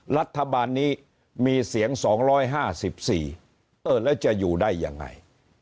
รัฐบาลนี้มีเสียง๒๕๔เออแล้วจะอยู่ได้ยังไง